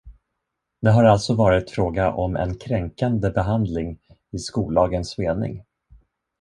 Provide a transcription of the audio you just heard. Det har alltså varit fråga om en kränkande behandling i skollagens mening.